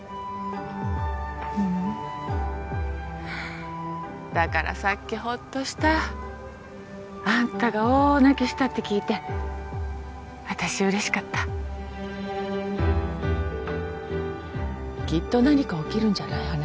うんだからさっきホッとしたあんたが大泣きしたって聞いて私嬉しかったきっと何か起きるんじゃない？